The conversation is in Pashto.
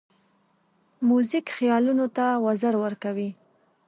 موزیک خیالونو ته وزر ورکوي.